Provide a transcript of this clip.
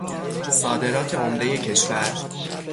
صادرات عمدهی کشور